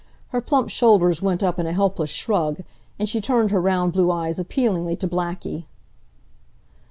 Her plump shoulders went up in a helpless shrug, and she turned her round blue eyes appealingly to Blackie.